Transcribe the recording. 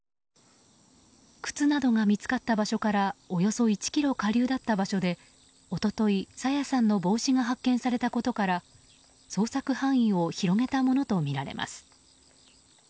靴などが見つかった場所からおよそ１ｋｍ下流だった場所で一昨日、朝芽さんの帽子が発見されたことから捜索範囲を広げたものとみられます。